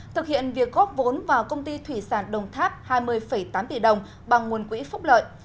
thực hiện việc góp vốn vào công ty thủy sản đồng tháp hai mươi tám tỷ đồng bằng nguồn quỹ phúc lợi